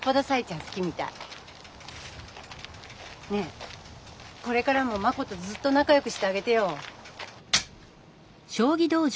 ねえこれからもマコとずっとなかよくしてあげてよ。